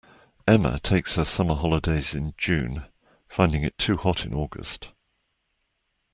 Emma takes her summer holidays in June, finding it too hot in August